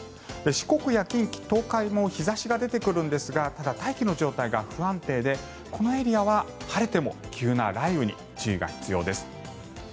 四国や近畿、東海も日差しが出てくるんですがただ、大気の状態が不安定でこのエリアは晴れても急な雷雨に注意が必要です。